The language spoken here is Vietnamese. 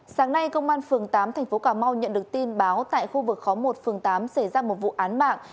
sáng nay công an phường tám tp cm nhận được tin báo tại khu vực khó một phường tám xảy ra một vụ án mạng